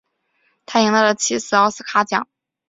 他赢得了七次奥斯卡奖。